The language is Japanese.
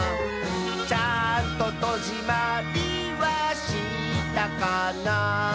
「ちゃんととじまりはしたかな」